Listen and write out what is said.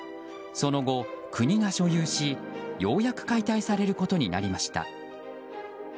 その後、国が所有し、ようやく解体されることになりました。